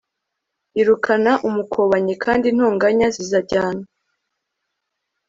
Irukana umukobanyi kandi intonganya zizajyana